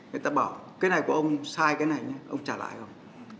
người ta bảo cái này của ông sai cái này nhé ông trả lại không